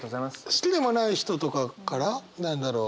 好きでもない人とかから何だろう？